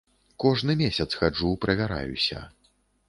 Кожны месяц хаджу правяраюся.